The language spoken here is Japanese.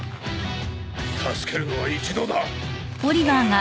助けるのは一度だ。